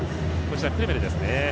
クレメルですね。